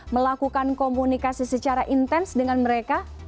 melakukan komunikasi secara intens dengan mereka